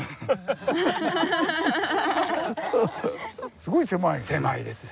すごい狭いですね。